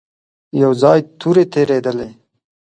يو ځای تورې تېرېدلې.